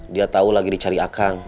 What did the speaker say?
dia tahu lagi dicari akang